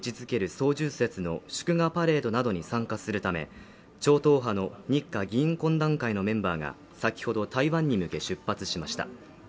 双十節の祝賀パレードなどに参加するため超党派の日華議員懇談会のメンバーが先ほど台湾に向け出発しました